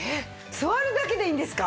座るだけでいいんですか？